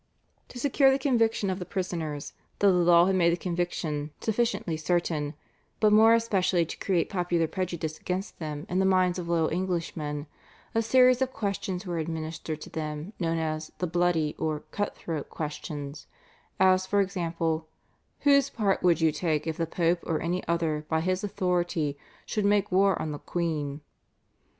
To secure the conviction of the prisoners, though the law had made the conviction sufficiently certain, but more especially to create popular prejudice against them in the minds of loyal Englishmen, a series of questions were administered to them known as the "bloody" or "cut throat" questions, as for example, "whose part would you take if the Pope or any other by his authority should make war on the queen."